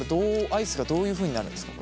アイスがどういうふうになるんですか？